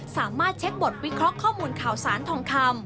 สามารถเช็คบทวิเคราะห์ข้อมูลข่าวสารทองคำ